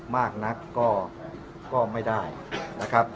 มากนักก็ไม่ได้นะครับ